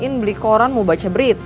mungkin beli koran mau baca berita